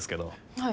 はい。